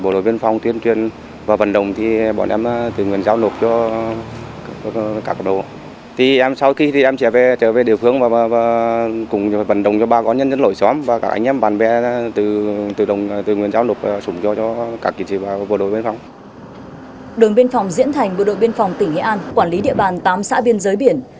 đồng biên phòng diễn thành bộ đội biên phòng tỉnh nghệ an quản lý địa bàn tám xã biên giới biển